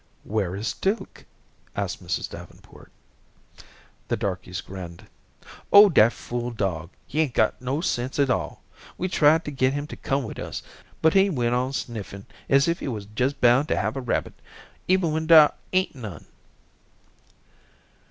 "Where is Duke?" asked Mrs. Davenport. The darkies grinned. "Oh, dat fool dog, he ain't no sense at all. We tried to get him to come wid us, but he went on sniffin' as if he was jes' bound to have a rabbit, even when dar ain't none."